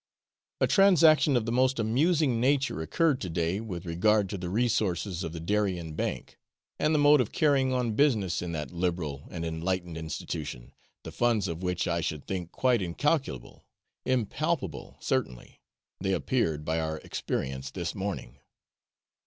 A transaction of the most amusing nature occurred to day with regard to the resources of the Darien Bank, and the mode of carrying on business in that liberal and enlightened institution, the funds of which I should think quite incalculable impalpable, certainly, they appeared by our experience this morning.